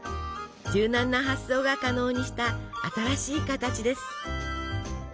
柔軟な発想が可能にした新しい形です。